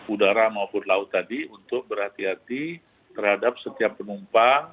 udara maupun laut tadi untuk berhati hati terhadap setiap penumpang